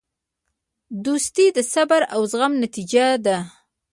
دوستي د صبر او زغم نتیجه ده.